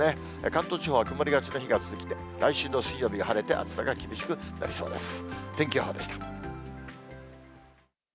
関東地方は曇りがちな日が続き、来週の水曜日が晴れて、暑さが厳しくなりそうです。